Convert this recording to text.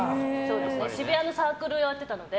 渋谷のサークルをやってたので。